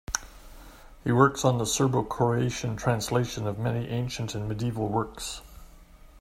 He works on the Serbo-Croatian translation of many ancient and medieval works.